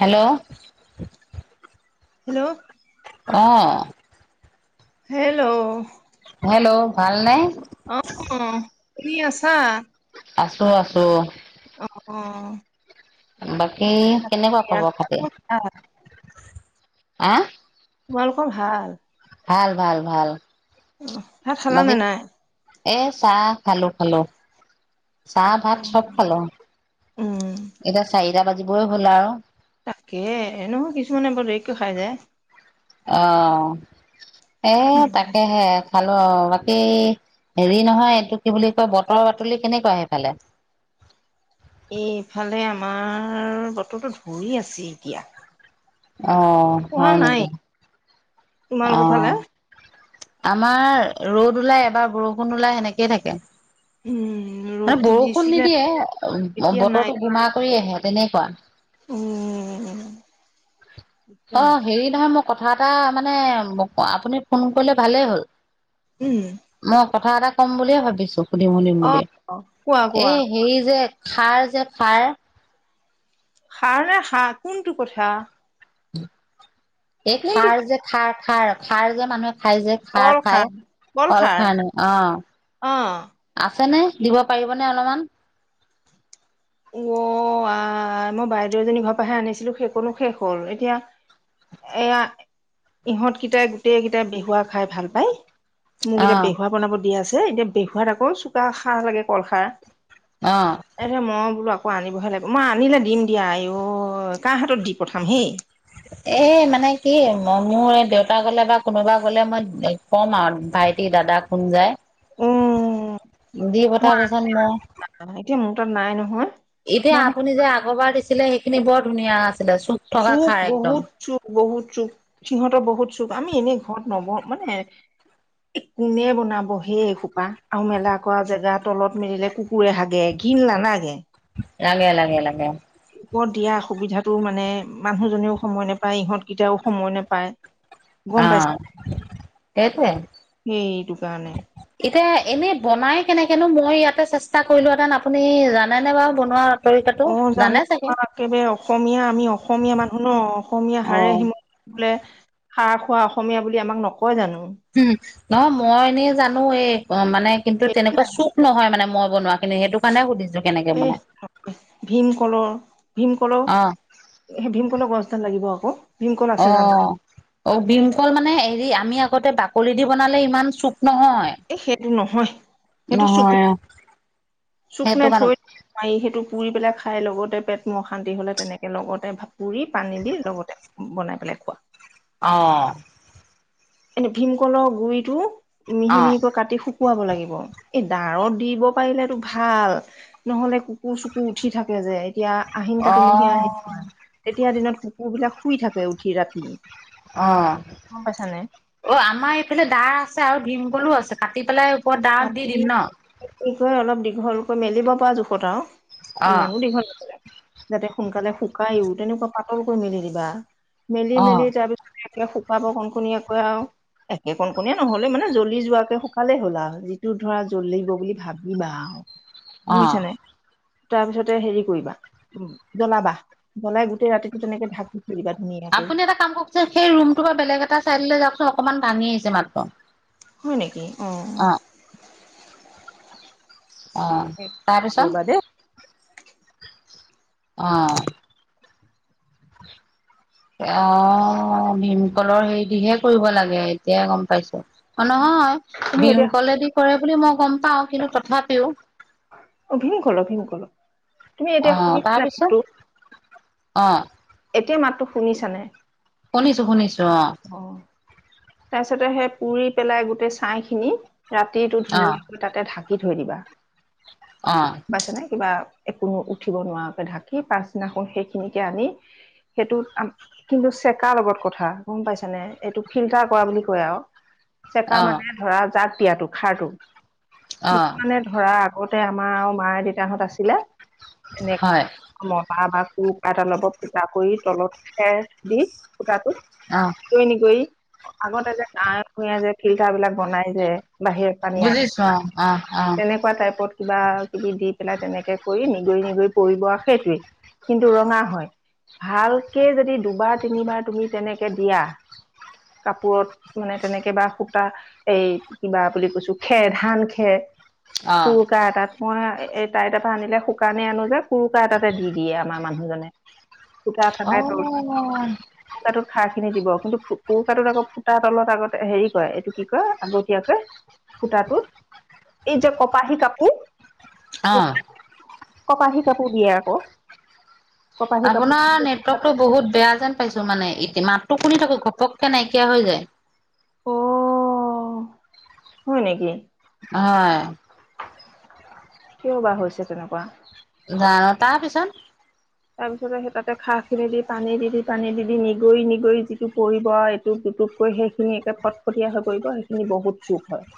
Hello hello অ hello hello ভালনে অ শুনি আছা আছো আছো অহ অহ বাকী কেনেকুৱা খবৰ খাতি তোমালোকৰ ভাল আহ তোমাৰ লোকৰ ভাল। ভাল ভাল ভাল ভাত খাল বাকী নে নাই। এ চাহ খালো খালো চাহ ভাত অ চব খালো উম এতিয়া চাৰিটা বাজিবই হ'ল আৰু তাকে এনে হয় কিছুমানে বৰ দেৰিকৈ খাই যে অ এ উম তাকেহে খালো আৰু বাকী হেৰি নহয় এইটো কি বুলি কয় বতৰ বাতুলি কেনেকুৱা সেইফালে [unintelligible] এই ইফালে আমাৰ বতৰটো ধৰি আছে এতিয়া অ পৰা হয় নাই নেকি অ তোমালোকৰ ফালে আমাৰ ৰ'দ ওলাই এবাৰ বৰষুণ ওলাই সেনেকেই থাকে উম মানে ৰ'দটো বৰষুণ দিছিলে নিদিয়ে এতিয়া নাই বতৰটো গোমা কৰি আহে তেনেকুৱা উম অ দিগদাৰ হেৰি নহয় মোৰ কথা এটা মানে আপুনি ফোন কৰিলে ভালেই হ'ল- উম মই কথা এটা কম বুলিয়ে ভাবিছো সুধিম সুধিম অ বুলি কোৱা কোৱা এই হেৰি যে খাৰ যে খাৰ খাৰ নে হা কোনটো কথা। এই কোনটো খাৰ যে খাৰ খাৰ খাৰ যে মানুহে খাই যে খাৰ খাই কল খাৰ নাই অ অ', আছে ন দিব পাৰিবনে অলপমান অ আহ মই বাইদেউ এজনী ঘৰ পহে আনিছিলো সেইকনো শেষ হ'ল এতিয়া। এয়া ইহঁতকেইটাই গোটেই কেইটাই বেহুৱা খাই ভাল পায়। মোক এতিয়া বেহুৱা অ' বনাব দিয়া আছে এতিয়া বেহুৱাত আকৌ চুকা খাৰ লাগে কলখাৰ অ' আৰে ম বোলো আকৌ আনিবহে লাগে মই আনিলে দিম দিয়া আ অ ক হাতত দি পঠাম হেই এ মানে কি মোৰ এই দেউতা গলে বা কোনোবা গলে মই কম আৰু- ভাইটি দাদা খুন যায়। উম দি মই পঠাবচোন মোক আ এতিয়া ম তাত নাই নহয়। এতিয়া মই আপুনি যে আগৰবাৰ দিছিলে সেইখিনি বৰ ধুনীয়া আছে। চুপ বহুত চুপ বহু চুপ সিহতটা বহত- চুপ আমি এনেই ঘৰত নব মানে কোনে বনাব হেই খোপা আৰু মেলা কৰা জেগা তলত মেলিলে কু কুকুৰ ৰে, হাগে ঘিন ন নাগে লাগে লাগে লাগে। ওপৰত দিয়া অসুবিধাতো মানে মানুহজনেও সময় নোপায় ইহঁতকেইটাও সময় নোপায়। গম অ পাইছে সেইট সেইটো কাৰণে এতি এনেই বনাই কেনেকৈনো মই ইয়াতে চেষ্টা কৰিলোহেঁতেন আপুনি জানেনে বাৰু বনোৱা। তৰিকাটো? অ জানে জানো চাগে? আমাক একেবাৰে অসমীয়া আমি অসমীয়া মানুহ ন অসমীয়া হাৰে হুম। সিম বোলে খা খোৱা অসমীয়া বুলি আমাক নকয় জানো নহ মই এনেই জানো এই অ মানে কিন্তু তেনেকুৱা চুক নহয় মানে মই- বনোৱানি সেইটো কাৰণে হোধিছে এ ভীমকললৰ ভীমকলৰ অ' সেই ভীমুনৰ গছ, ডাল লাগিব অ অ অ ভমকল মানে হেৰি আমি আগতে বাকলি দি বনালে ইমান চুপ নহয় এই সেইটো নহয় সেইটো নহয়। চুক সেইটো নাই থৈ কাৰণে মাৰি সেইটো পুৰি পেলাই খাই লগত, - পেট মোৰ অশান্তি হলে তেনেকে লগতে পুৰি পানী দি লগতে বনাই পেলাই খোৱা অ এনে ভীমকলৰ গুৰিটো মিহি অ'। মিহিকৈ কাটি শুক খুৱাব লাগিব। এই দাঁত দিব পাৰিলেতো ভাল নহলে কুকুৰ চুকুৰ উঠি থাকে যে তেতিয়া আহিন কাটিমহীয়া হেৰি অ', কৰা তেতিয়া দিনত কুকুৰ বিলাক শুই থাকে উঠি ৰাতি- অ গম পাইছানে অ আমাৰ এইফালে দাৰ আছে আৰু ভীমকলো, আছে কাটি পেলাই আই ডাঁত ৰাতি দি দিম ন কি অলপ দীঘলকৈ মেলিব পৰা জোখত আৰু অ', ইমানো দীঘল নকলে- যাতে সোনকালে শুকাইো তেনেকুৱা পাতলকৈ মেলি দিবা মেলি অ', মেলি তাৰপিছতে- শুকাব কণকনীয়োকৈ আৰু একে কণ কণিয় নহলেও মানে জ্বলি যোৱাকে শুকালেই হ'লা আৰু- যিটো ধৰা জ্বল, লাগিব বুলি ভাবিবা আৰু বুজিছ অ', নে তাৰপিছতে হেৰি কৰিবা উ জ্বলাবা জলাই গোতেই ৰাতিটো তেনেকে ঢাক আপুনি এটা কাম কৰকচোন সেই ৰুমটো বেলেগ এটা চাইড যাওকচোন অকনমান ভাঙি আহিছে মাত্ৰ হয় নেকি অ আহ ৰ'বা তাৰপিছত দেই অ হয় অ ভীমকলৰ হেৰি দিহে কৰিব লাগে এতিয়াই গম পাইছো। নহয় তুমি এতিয়া ফীমকলেদি কৰে বুলি মই গম পাও। কিন্তু তথাপিও অ ভীমকলল ভীমকলল তুমি এতিয়া অ', শুনিছিলা তাৰপিছত যোনটো অ', এতিয়া মাতো শুনিছানে? শুনিছো শুনিছো অ তাৰ পিছতে সেই পুৰি পেলাই গোটেই ছাই খিনি ৰাতিটো অ', ধুনীয়াকৈ তাতে ঢাক কি থৈ দিবা। অ পাইছে নে কিবা একোনো উঠিব নোৱাৰাকে ঢাকি পাছদিনাখন সেইখিনিকে আনি সেইটোত কিন্তু চেকাৰ লগত কথা গম পাইছ নে এইটো ফিল্টাৰ কৰা বুলি কয় আৰু চেকা অ', মানে ধৰা জাক দিয়াতটো খাৰটো অ', কিছুমানে ধৰা আগতে আমাৰ আৰু মা দেউতাহঁত আছিলে এনে হয়। বাহ বা কুক এলত পুটা কৰি তলত খেৰ দি কটো অ কৈ ন গৈ আগতে যে গাঁৱে ভূঞে যে ফিল্টাৰ বিলাক বনাই যে বাহিত পানী আহে বুজিছো অ অ তেনেকুৱা টাইপত কিবা কিবি দি পেলাই তেনেকে কৰি নিগৰি নিগৰি পৰিব আৰু সেইটোৱেই কিন্তু ৰঙা হয়। ভালকে যদি দুবাৰ তিনিবাৰ তুমি তেনেকে দিয়া। কাপোৰত মানে তেনেকে বা সূতা এই কিবা বুলি কৈছো খেৰ ধান খেৰ অ কুৰুকা এটাত। মই এই টাইট এটা পৰা আনিলে শুকানে আনো যে কুৰুকা এটাতে দি দিয়ে আমাৰ মানুহজনে। ফুটা অ থাকাই তো। অ ফুটাটোত খাৰ খিনি দিব কিন্তুু ফুটাটোত আকৌ ফুটা তলত আগতে হেৰি কয় এইটো কি কয় আগতীয়াকৈ ফুটাটোত এই যে কপাহী কাপোৰ অ কপাহী কাপোৰ দিয়ে আকৌ। কপাহী কাপোৰ আপোনাৰ নেটৱৰ্কতটো বহুত বেয়া যেন পাইছো। মানে ইতিমাত শুনি থাকো ঘপককে নাইকিয়া হৈ যায়। অ হয় নেকি? হয় কিয় বা হৈছে তেনেকুৱা। জান তাৰ পিছত তাৰপিছতে সেই তাতে খাঁ খিনি দি পানী দি দি পানী দি দি নিগৰি নিগৰি যিটো পৰিব এইটো টুপকৈ সেইখিনি একে ফটফটীয়া হৈ পৰি সেইখিনি বহুত চুখ হয়।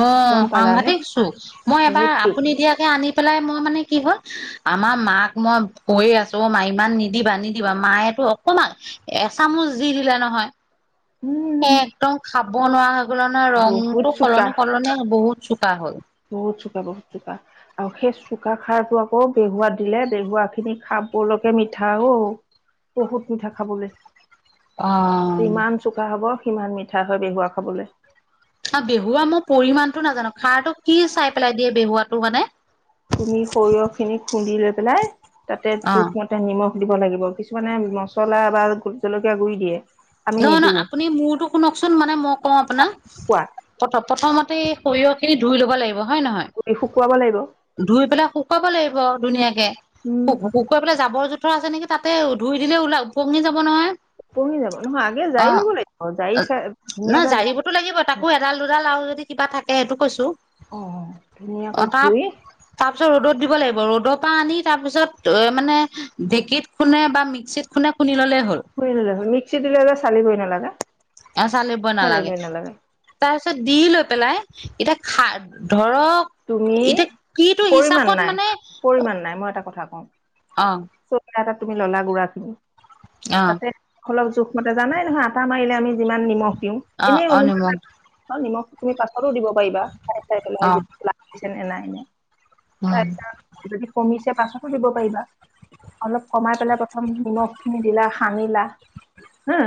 অ গম পালানে সাংঘাতিক চো মই এবাৰ বহুত চুপ আপুনি এতিয়াকে আনি পেলাই মই মানে কি হল। আমাৰ মাক মই কৈয়ে আছো অ মা ইমান নিদিবা নিদিবা মায়েতটো অকমান এচামুচ দি দিলে নহয় সে উম একদম খাব নোৱাৰা হৈ গ'ল নহয় বহুত ৰংতটো সলনি চোকা সলনি বহুত চোকা হ'ল। বহুত চোকা বহুত চোকা আৰু সেই চোকা খাৰটো আকৌ বেহুৱাত দিলে বেহুৱা খিনি খাব খাবলেকে মিঠা অ বহুত মিঠা খাবলৈ অ যিমান চোকা হব সিমান মিঠা হয় বেহুৱা খাবলে। আৰু বেহুৱা মোৰ পৰিমাণটো নাজানো খাৰটো কি চাই পেলাই দিয়ে বেহুৱাটো মানে? তুমি সৰিয়হ খিনি খুন্দি লৈ পেলাই তাতে অ জোখমতে নিমখ দিব লাগিব কিছুমানে মছলা বা জলকীয়া গুৰি দিয়ে। আমি নহয় নিদো নহয় আপুনি মোৰতো শুনকচোন মানে মই কওঁ আপোনাক শুকুৱা প্ৰথ প্ৰথমতে সৰি স ধুই ল'ব লাগিব হয়ে গুৰি শুকুৱাব লাগিব নহয় ধুই পেলাই শুকাব লাগিব [unintelligible] উম ধুনীয়াকে উম কুকু পেলাই যাবৰ য [unintelligible] পথৰ আছে নেকি তাতে ধুই দিলে ওলা ওপঙি যাব নহয় [unintelligible] উম [unintelligible] অ নহ ধুনীয়াকৈ জাৰিবতো লাগিব তাকো এডাল দুডাল আৰু [unintelligible] কিবা থাকে সেইটো কৈছো অ ধুনীয়াকৈ ধুই তাৰপিছত ৰ'দত দিব লাগিব ৰ'দৰ পৰা আনি তাৰ পিছত এ মানে ঢেকীত খুনে বা মিক্সিত খুনে খুন্দি ল'লে [unintelligible] হয় ন লাগ মিক্সিত দিলে যে চালি হৈ নেলাগে [unintelligible] [unintelligible] অ চালিব নালাগে তাৰ পিছত দি লৈ পেলাই এতিয়া খা ধৰ ধক তুমি এতিয়া কিটো পৰিমাণ হিচাপত নাই মানে পৰিমাণ নাই অ এ তুমি ললা গুড়া খিনি অ তাতে অলপ জোখ মতে জানাই নহয় আটা মাৰিলে আমি যিমান নিমখ দিওঁ অ এনেই অ নিমখ নিমখ তুমি প [unintelligible] স দিব পাৰিবাই পেলাই অ লি ন নাই ন অ অ তাৰপিছত য [unintelligible] কমিছে পাছতো দিব পাৰিবা অলপ কমাই পেলাই প্ৰথম নিমখ নি দিলা সানিলা হুম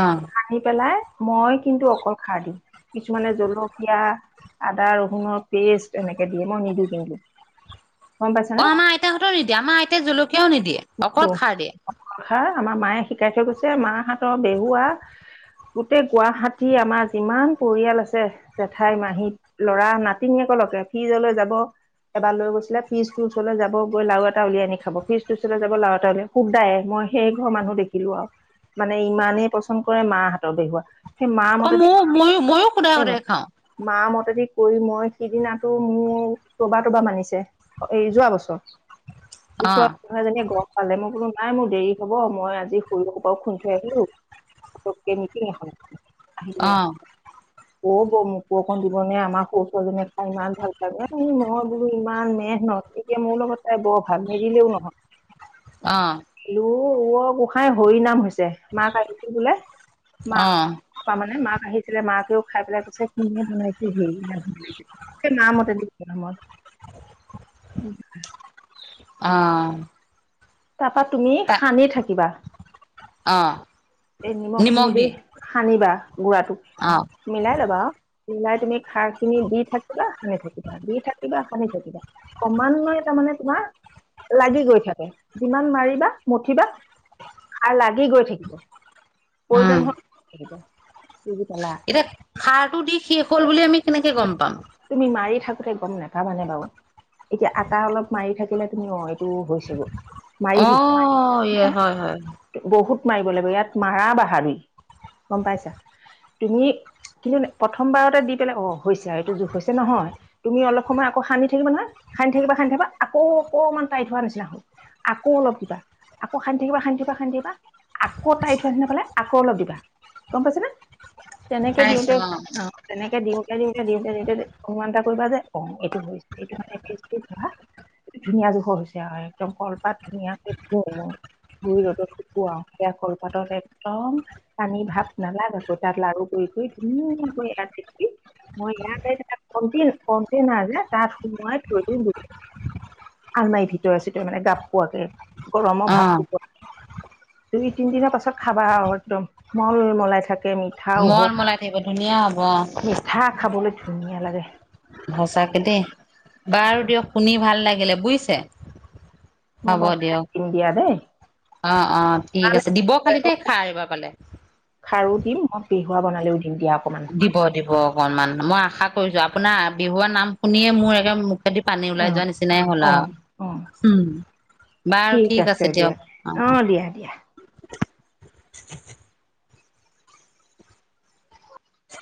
অ সানি পেলাই মই কিন্তু অকল খাৰ দিওঁ কিছুমানে জলকীয়া আদা ৰহুনৰ পেষ্ট এনেকে দিয়ে মই নিদো কিন্ত [unintelligible] অ আমাৰ আইতাহঁতেও নিদিয়ে আমাৰ আইতাই জলকীয়াও নিদিয়ে নে অকল খাৰ দিয়ে [unintelligible] কথা আমাৰ মায়ে শিকাই থৈ গৈছে মাহতৰ বেহুৱা গোটেই গুৱাহাটী আমাৰ যিমান পৰিয়াল আছে জেঠাই মাহী লৰা নাতিনীয়ে [unintelligible] কে ফ্ৰিজলৈ যাব এবাৰ লৈ গৈছিলে ফ্ৰিজ ৰ ওচৰলৈ যাব গৈ লাৰু এটা উলিয়াই আনি খাব ফ্ৰিজ [unintelligible] যাব লাৰ তে শুক দায়ে মই সেই ঘৰৰ মানুহ দেখিলো আৰু [unintelligible] মানে ইমানেই পচন্দ কৰে মা হাতৰ বেহুৱা [unintelligible] সেই মা অ মতে মোৰ ময়ো ময়ো সুদাই এইব সুদাই খাওঁ মা মতে [unintelligible] যদি কৰি মই সিদিনাটো মোৰ ৰবা তবা মানিছে এই যোৱা বছৰ [unintelligible] আহ এ গছ পালে মই বোলো নাই মোৰ দেৰি হ'ব মই আজি সুৰ পৰা খুঠি আহিলো [unintelligible] ত কে মিতিং এখন [unintelligible] আহঁ ক ব মোকো অকণ দিব ন আমাৰ সৰু ছৱালীজনীয়ে খাই ইমান ভাল পায় মই বোলো ইমান মেহ ন [unintelligible] এতিয়া মোৰ লগত তাই বৰ ভাল নিদিলেও নহয় আহ ওৱ গোসাই হৰি নাম হৈছে মাক আহিছিল বোলে অ মাক মানে মাক [unintelligible] আহিছিলে মাকেও খাই পেলাই কৈছে কোনে বনাইছে সে ইমান ধুনীয়া লাগিছে সেই মা মতে মত [unintelligible] উম আহ তাৰপা তুমি সানি থাকিবা অ এই নিমখ খিনি দি সানিবা গু়ড়াটো অ মিলাই লবা মিলাই তুমি খাৰ খিনি দি থাকিবা সানি থাকিবা দি থাকিবা [unintelligible] মান থ কিবা কমান নয় তাৰ মানে তোমা [unintelligible] লাগি গৈ থাকে যিমান মাৰিবা মঠিবা আৰু লাগি গৈ থাকিব উম প্ৰয়োজন হয় এতিয়া সাৰ টো দি শেষ হ'ল বুলি আমি কেনেকে গ'ম পাম তুমি মাৰি থাক [unintelligible] তে গম নোপাবা মানে বাৰু এতিয়া আটা অলপ মাৰি থাকিলে তুমি অ এইটো হৈছেগৈ [unintelligible] অ মাৰিছে এ হয় হয় বহুত মাৰিব লাগিব ইয়াত মাৰা বাহাদই [unintelligible] গম পাইছা তুমি কিন্তু প্ৰথমবাৰতে দি পেলাই অ হৈছো এইটো জ হৈছে নহয় তুমি অলপ সময় আকৌ সানি থাকিবা নহয় সানি থাকিবা খানি থাকিবা আকৌ অকণমান টাই থ হোৱা নিচনা হল আকৌ অলপ দিবা আকৌ খান্দি থাকিবা খান্দিকিবা খান্দিবা আকৌ তাই থোৱা নিচিনা পালে আকৌ অলপ দিবা। গম পাইছনে তেনেকে দিওঁতে অ তেনেকে দিওঁতে দিওঁতে দিওঁতে দিওঁতে অনুমান এটা কৰিবা যে অ এইটো হৈছে এইটো মানে হোৱা ধুনীয়া জোখৰ হৈছে আৰু একদম কলপাত ধুনীয়াকে ধুও মই ধুই ৰ'দত শুকুৱাও সেয়া কলপাতত একদম পানী ভাপ নালাগে আকৌ তাত লাৰু কৰি। ধুনীয়া [unintelligible] কৈ আছিল মই ইয়াতে থ ক দিন কদিন আয় তাৰ সময় থৈদিও গজ [unintelligible] আলমাৰি ভিতৰে চিতৰে মানে গাপ পোৱাকে গৰমৰ অ ভাপটো পোৱা। দুই তিন দিনৰ পাছত খাবা একদম মল মলাই থাকে। মিঠাও মল হয়। মলাই থাকিব ধুনীয়া হ'ব অ মিঠা খাবলৈ ধুনীয়া লাগে। সঁচাকে দেই তাকে বাৰু দিয়ক শুনি ভাল লাগিলে বুজিছে। মই হ'ব বনাই দিয়ক দিম দিয়া দেই। অ অ ঠিক বনালে আছে দিব খালি দে খাই এইবাৰ পালে। দি মই পিহুৱাব বনালেও দিম দিয়ক দিব দিব অকনমান মই আশা কৰিছো আপোনাৰ বিহুৱাৰ নাম শুনিয়ে মোৰ এডমে দি পানী ওলাই অ', যোৱা নিচিনাই হ'ল অ', অ', আৰু। উম বাৰু ঠিক আছে দিয়ক অ অ দিয়া দিয়া। [inaudible]